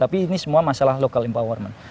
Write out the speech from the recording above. tapi ini semua masalah local empowerment